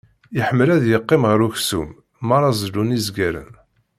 Iḥemmel ad yeqqim ɣer uksum m'ara zellun izgaren.